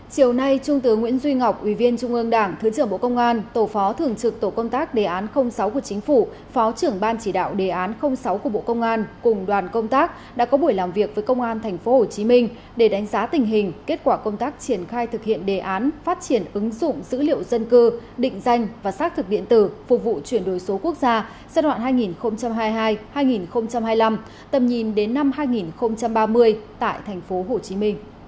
chiều nay trung tướng nguyễn duy ngọc ủy viên trung ương đảng thứ trưởng bộ công an tổ phó thường trực tổ công tác đề án sáu của chính phủ phó trưởng ban chỉ đạo đề án sáu của bộ công an cùng đoàn công tác đã có buổi làm việc với công an tp hcm để đánh giá tình hình kết quả công tác triển khai thực hiện đề án phát triển ứng dụng dữ liệu dân cư định danh và xác thực điện tử phục vụ chuyển đổi số quốc gia giai đoạn hai nghìn hai mươi hai hai nghìn hai mươi năm tầm nhìn đến năm hai nghìn ba mươi tại tp hcm